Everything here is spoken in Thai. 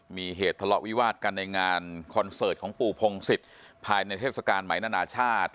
มีเหตุทะเลาะวิวาดกันในงานคอนเสิร์ตของปู่พงศิษย์ภายในเทศกาลไหมนานาชาติ